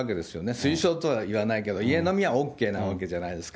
推奨とは言わないけど、家飲みはＯＫなわけじゃないですか。